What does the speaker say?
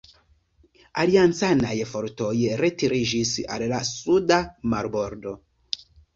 Aliancanaj fortoj retiriĝis al la suda marbordo.